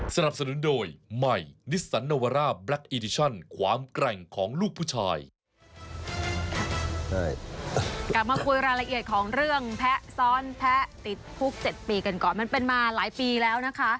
กลับมาคุยรายละเอียดของเรื่องแพะซ้อนแพะติดคุก๗ปีกันก่อนมันเป็นมาหลายปีแล้วนะคะ